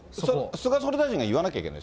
菅総理大臣が言わなきゃいけない。